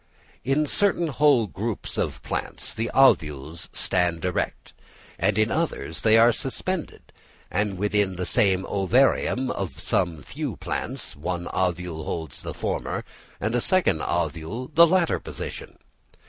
In certain whole groups of plants the ovules stand erect, and in others they are suspended; and within the same ovarium of some few plants, one ovule holds the former and a second ovule the latter position.